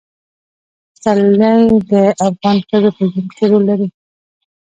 پسرلی د افغان ښځو په ژوند کې رول لري.